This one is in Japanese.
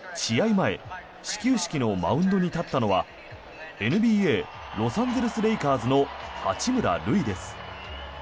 前始球式のマウンドに立ったのはＮＢＡロサンゼルス・レイカーズの八村塁です。